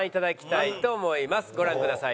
ご覧ください